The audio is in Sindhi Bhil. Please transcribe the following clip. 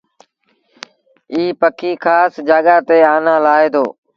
ايٚ پکي کآس جآڳآ تي آنآ لآهي دو۔